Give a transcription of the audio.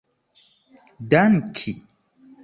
danki